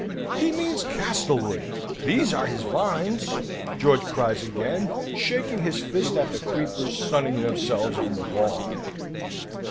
"He means Castlewood. These are his vines," George cries again, shaking his fist at the creepers sunning themselves on the wall.